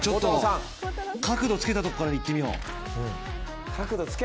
角度をつけたところからいってみよう。